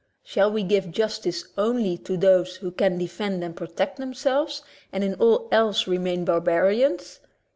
Shall we give justice only to those who can defend and protect themselves and in all else remain bar barians?